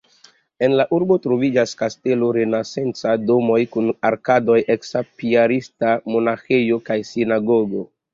En la urbo troviĝas kastelo, renesancaj domoj kun arkadoj, eksa piarista monaĥejo kaj sinagogo.